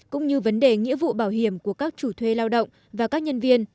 cũng như vấn đề nghĩa vụ bảo hiểm của các chủ thuê lao động và các nhân viên